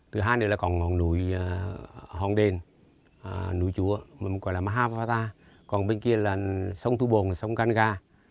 thứ hai này là còn ngọn núi hòn đền núi chúa còn bên kia là sông thu bồn sông can nga